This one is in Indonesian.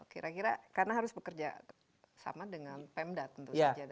kira kira karena harus bekerja sama dengan pemda tentu saja